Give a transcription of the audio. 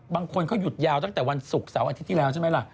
บางคนเขาหยุดยาวตั้งแต่วันศุกร์เสาร์อาทิตย์ที่แล้วใช่ไหมล่ะ